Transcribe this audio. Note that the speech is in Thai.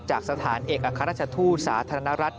จากสถานเอกอัครราชทูตสาธารณรัฐ